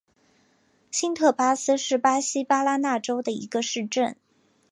新特巴斯是巴西巴拉那州的一个市镇。